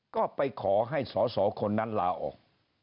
ก็ไปขอให้สอสอคนนั้นลาออก